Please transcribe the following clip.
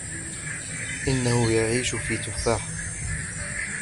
انه يعيش في تفاحة.